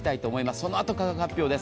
そのあと価格発表です。